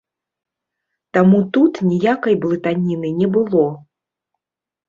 Таму тут ніякай блытаніны не было.